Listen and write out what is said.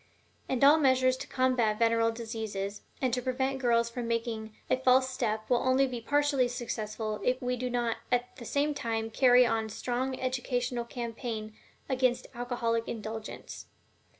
And all measures to combat venereal diseases and to prevent girls from making a false step will only be partially successful if we do not at the same time carry on a strong educational campaign against alcoholic indulgence.